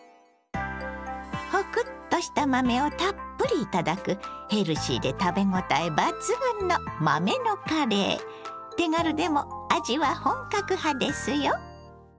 ホクッとした豆をたっぷり頂くヘルシーで食べごたえ抜群の手軽でも味は本格派ですよ。